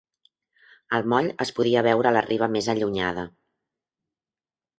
El moll es podia veure a la riba més allunyada.